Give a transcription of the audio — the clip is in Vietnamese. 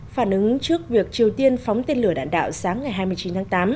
phản ứng trước việc triều tiên phóng tên lửa đạn đạo sáng ngày hai mươi chín tháng tám